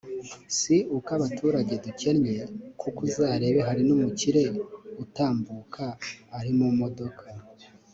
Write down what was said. si uko abaturage dukennye kuko uzarebe hari n’umukire utambuka ari mu modoka